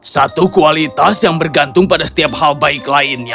satu kualitas yang bergantung pada setiap hal baik lainnya